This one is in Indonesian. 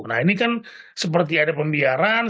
nah ini kan seperti ada pembiaran